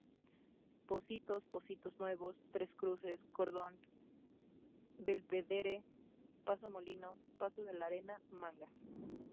Pocitos, Pocitos nuevos, Tres Cruces, Cordon, Belvedere, Paso Molino, Paso de la Arena, Manga